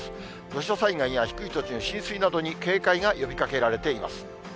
土砂災害や低い土地の浸水などに警戒が呼びかけられています。